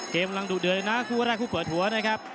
กำลังดุเดือดเลยนะคู่แรกคู่เปิดหัวนะครับ